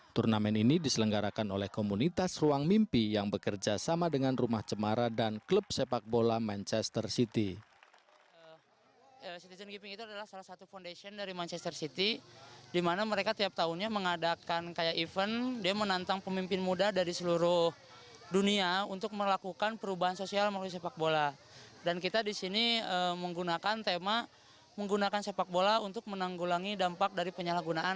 turnamen ini diselenggarakan oleh komunitas ruang mimpi yang bekerja sama dengan rumah cemara dan klub sepak bola manchester city